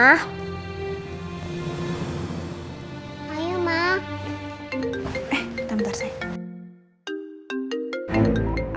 eh bentar bentar sayang